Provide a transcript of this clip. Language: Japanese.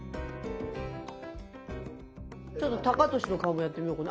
ちょっとタカトシの顔もやってみようかな。